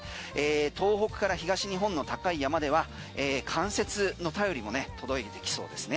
東北から東日本の高い山では冠雪の便りも届いてきそうです。